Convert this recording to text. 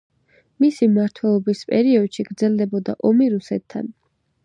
მისი მმართველობის პერიოდში გრძელდებოდა ომი რუსეთთან.